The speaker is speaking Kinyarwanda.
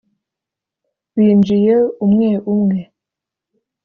binjiye umwe umwe